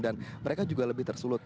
dan mereka juga lebih tersulut